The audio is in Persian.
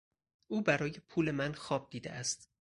او برای پول من خواب دیده است.